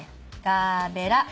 ガーベラ。